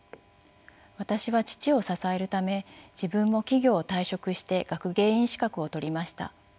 私は義父を支えるため自分も企業を退職して学芸員資格を取りました。